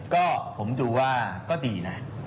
ก็ผมดูว่าก็ดีนะ